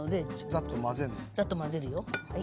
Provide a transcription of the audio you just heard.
ざっと混ぜるよ。